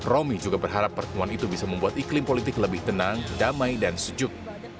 romi juga berharap pertemuan itu bisa membuat iklim politik lebih tenang damai dan sejuk